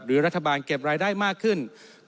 รัฐบาลเก็บรายได้มากขึ้น